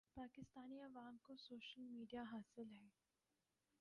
پاکستانی عوام کو social media حاصل ہے